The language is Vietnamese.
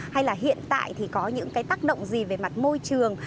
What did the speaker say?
hay là hiện tại thì có những cái tác động gì về mặt môi trường